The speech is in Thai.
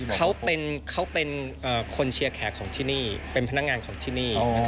เขาเป็นคนเชียร์แขกของที่นี่เป็นพนักงานของที่นี่